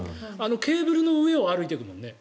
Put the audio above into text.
ケーブルの上を歩くもんね。